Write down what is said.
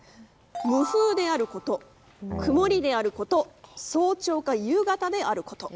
無風であること、曇りであること早朝か夕方であること。